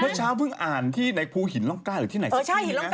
เมื่อเช้าเพิ่งอ่านที่ในภูหินร่องกล้าหรือที่ไหน